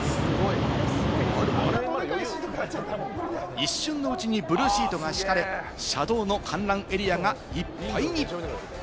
一瞬のうちにブルーシートが敷かれ、車道の観覧エリアがいっぱいに。